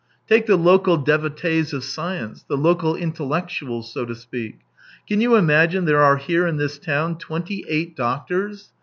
Take the local devotees of science — the local intellectuals, so to speak. Can you imagine there are here in this town twenty eight doctors